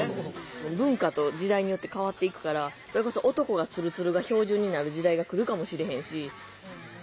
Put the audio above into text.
文化と時代によって変わっていくからそれこそ男がツルツルが標準になる時代が来るかもしれへんし。